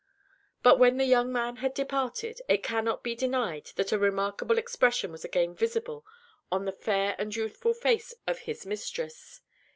But when the young man had departed, it cannot be denied that a remarkable expression was again visible on the fair and youthful face of his mistress.